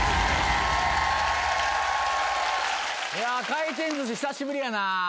回転寿司久しぶりやなぁ。